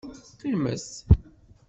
Qqimet.